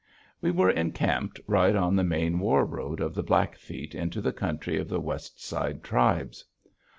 We are encamped right on the main war road of the Blackfeet into the country of the West Side tribes.